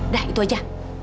dah itu aja